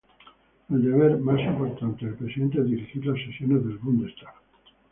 El deber más importante del presidente es dirigir las sesiones del Bundestag.